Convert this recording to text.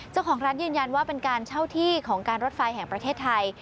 เจ้าของร้านยืนยันว่าเป็นการเช่าที่ของการรถไฟแห่งประเทศไทย